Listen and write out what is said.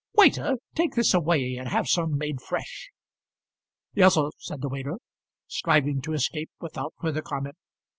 Waiter, take this away, and have some made fresh." "Yes, sir," said the waiter, striving to escape without further comment.